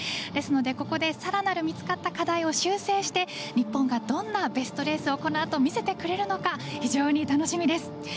ですので、ここで更なる見つかった課題を修正して日本がどんなベストレースをこのあと、見せてくれるのか非常に楽しみです。